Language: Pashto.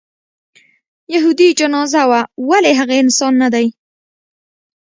یهودي جنازه وه ولې هغه انسان نه دی.